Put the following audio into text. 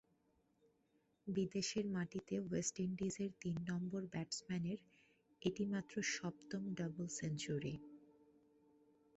বিদেশের মাটিতে ওয়েস্ট ইন্ডিজের তিন নম্বর ব্যাটসম্যানের এটি মাত্র সপ্তম ডাবল সেঞ্চুরি।